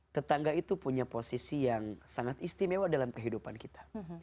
tetangga itu punya posisi yang sangat istimewa dalam kehidupan kita